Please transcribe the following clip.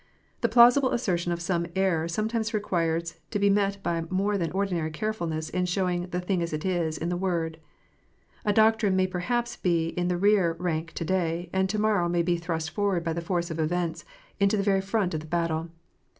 The plausible assertion of some error sometimes requires to be met by more than ordinary carefulness in showing " the thing as it is " in the Word. A doctrine may perhaps be in the rear rank to day, and to morrow may be thrust forward by the force of events into the very front of the battle.